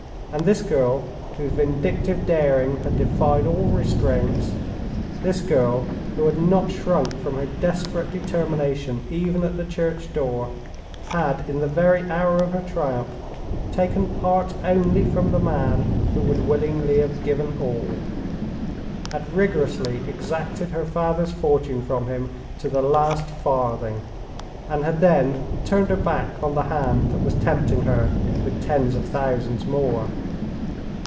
And this girl, whose vindictive daring had defied all restraints—this girl, who had not shrunk from her desperate determination even at the church door—had, in the very hour of her triumph, taken part only from the man who would willingly have given all!—had rigorously exacted her father's fortune from him to the last farthing; and had then turned her back on the hand that was tempting her with tens of thousands more!